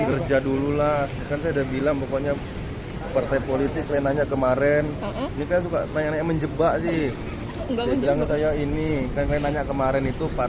kalau misalnya ditanya persiapannya apa